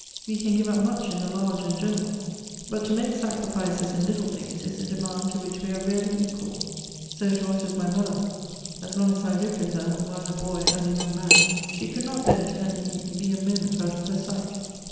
We can give up much in the large and general ; but to make sacriticus in little things is a demand to which we are rarely equal. So it was with ray mother — as long I lived with her, while a boy and a young man, she could not bear to let me be a moment out of her sight.